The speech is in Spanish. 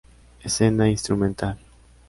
Escena instrumental